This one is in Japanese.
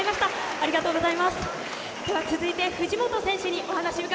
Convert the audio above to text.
ありがとうございます。